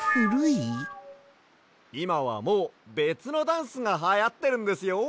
いまはもうべつのダンスがはやってるんですよ。